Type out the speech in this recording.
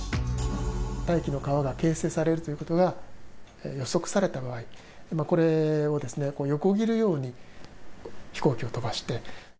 大気の川が形成されるということが予測された場合、これを横切るように飛行機を飛ばして。